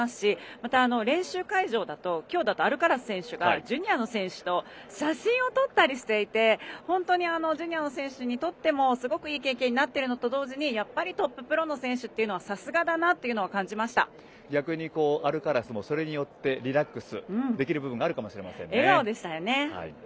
また、練習会場だと今日だとアルカラス選手がジュニアの選手と写真を撮ったりしていて本当に、ジュニアの選手にとってすごくいい経験になっていると同時にやっぱりトッププロの選手は逆にアルカラスもそれによってリラックスできる部分も笑顔でしたよね。